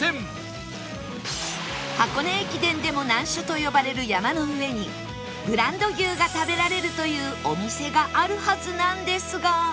箱根駅伝でも難所と呼ばれる山の上にブランド牛が食べられるというお店があるはずなんですが